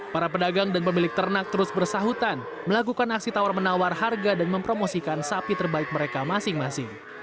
para pedagang dan pemilik ternak terus bersahutan melakukan aksi tawar menawar harga dan mempromosikan sapi terbaik mereka masing masing